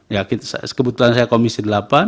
ya kebetulan saya komisi delapan